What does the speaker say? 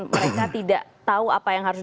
mereka tidak tahu apa yang harus